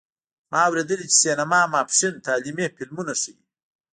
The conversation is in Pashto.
ما اوریدلي چې سینما ماسپښین تعلیمي فلمونه ښیې